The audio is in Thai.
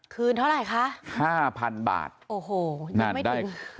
คืนเท่าไหร่คะ๕๐๐๐บาทโอ้โหยังไม่ถึง